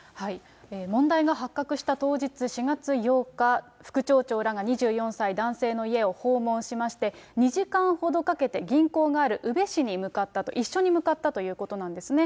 問題が発覚した当日４月８日、副町長らが２４歳男性の家を訪問しまして、２時間ほどかけて銀行のある宇部市に向かったと、一緒に向かったということなんですね。